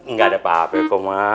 nggak ada apa apa kok mak